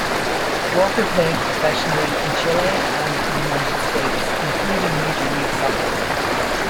Walker played professionally in Chile and the United States, including Major League Soccer.